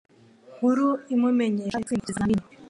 nkuru imumenyesha yatsinze ikizamini